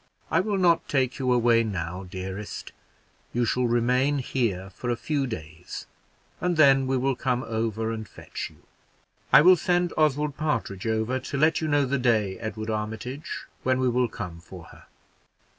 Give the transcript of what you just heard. I will not take you away now, dearest; you shall remain here for a few days, and then we will come over and fetch you. I will send Oswald Partridge over to let you know the day, Edward Armitage, when we will come for her.